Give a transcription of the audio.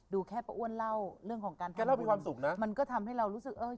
แค่ป้าอ้วนเล่าเรื่องของการทำแกเล่ามีความสุขนะมันก็ทำให้เรารู้สึกเออ